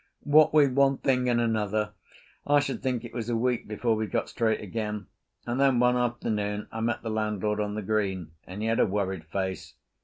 What with one thing and another, I should think it was a week before we got straight again, and then one afternoon I met the landlord on the green and he had a worried face.